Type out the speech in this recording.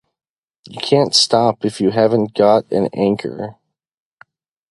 You can’t stop if you haven’t got an anchor.